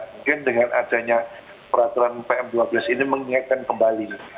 mungkin dengan adanya peraturan pm dua belas ini mengingatkan kembali